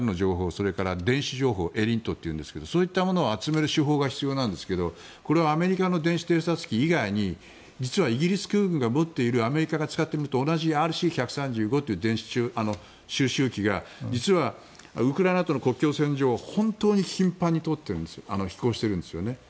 それから電子情報エリントって言うんですけどそういったものを集める手法が必要なんですがこれはアメリカの電子偵察機以外に実はイギリス空軍が持っているアメリカが使っているのと同じＲＣ１３５という電子収集機が実はウクライナとの国境線上を頻繁に飛行しているんですよね。